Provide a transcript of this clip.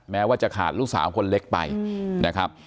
แม้ว่าจะขาดลูกสาวคนเล็กไปนะครับ